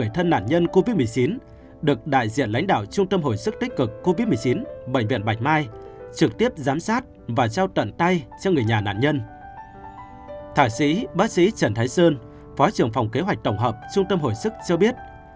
thạ sĩ bác sĩ trần thái sơn phó trưởng phòng kế hoạch tổng hợp trung tâm hồi sức cho biết